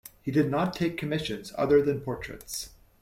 He did not take commissions other than portraits.